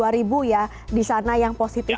ada sekitar dua ya di sana yang positif